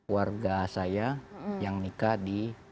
warga saya yang nikah di